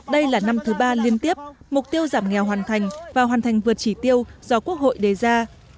đây là năm thứ ba liên tiếp mục tiêu giảm nghèo hoàn thành và hoàn thành vượt chỉ tiêu do quốc hội đề ra